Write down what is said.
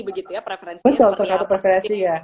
betul tergantung preferensi ya